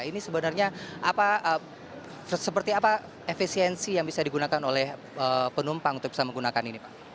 ini sebenarnya seperti apa efisiensi yang bisa digunakan oleh penumpang untuk bisa menggunakan ini pak